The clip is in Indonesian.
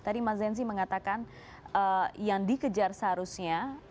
tadi mas zensi mengatakan yang dikejar seharusnya